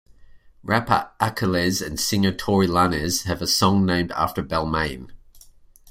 Rapper Akillezz and Singer Tory Lanez have a song named after Balmain.